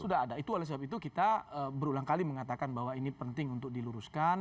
sudah ada itu oleh sebab itu kita berulang kali mengatakan bahwa ini penting untuk diluruskan